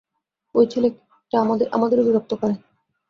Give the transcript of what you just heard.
ওই ছেলেটা আমাদেরও বিরক্ত করে।